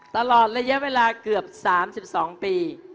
ตลอดระยะเวลาเกือบ๓๒ปี